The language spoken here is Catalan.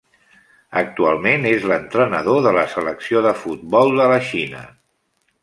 Actualment és l'entrenador de la Selecció de futbol de la Xina.